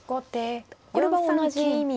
これは同じ意味で。